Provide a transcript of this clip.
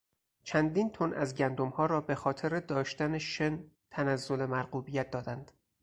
چندین تن ازگندمها را به خاطر داشتن شن تنزل مرغوبیت دادند.